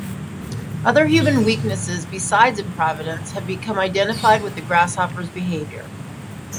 Other human weaknesses besides improvidence have become identified with the grasshopper's behaviour.